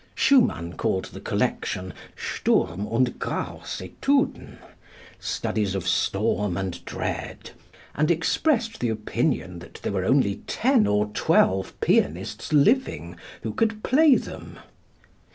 Schumann called the collection "Sturm und Graus Etuden" (Studies of Storm and Dread), and expressed the opinion that there were only ten or twelve pianists living who could play them.